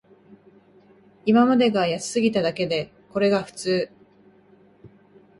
今までが安すぎただけで、これが普通